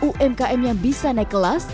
umkm yang bisa naik kelas